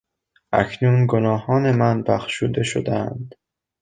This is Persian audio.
اکنون گناهان من بخشوده شدهاند.